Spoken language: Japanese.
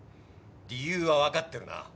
理由はわかってるな。